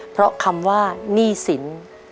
เพราะคำว่าหนี้สิน